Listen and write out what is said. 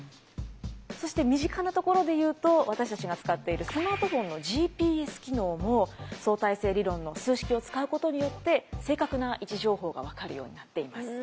そして身近なところで言うと私たちが使っているスマートフォンのＧＰＳ機能も相対性理論の数式を使うことによって正確な位置情報が分かるようになっています。